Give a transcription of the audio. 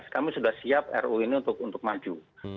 kami sudah siap ruu ini untuk maju